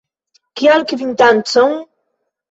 Kial kvitancon?